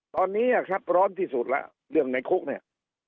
ตอนนี้ครับร้อนที่สุดแล้วเรื่องในคุกเนี่ย